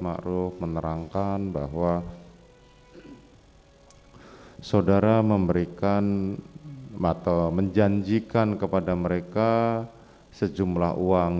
makruh menerangkan bahwa saudara memberikan atau menjanjikan kepada mereka sejumlah uang